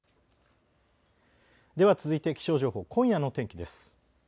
では続いて気象情報、今夜の天気です。